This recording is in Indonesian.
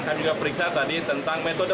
kami juga periksa tadi tentang metode